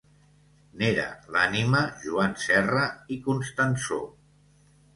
N’era l’ànima Joan Serra i Constansó.